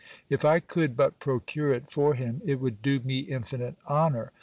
If I could but procure it for h:m, it would do me infinite honour.